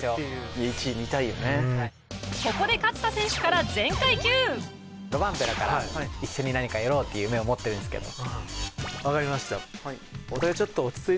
ここで勝田選手からロバンペラから一緒に何かやろうっていう夢を持っているんですけど。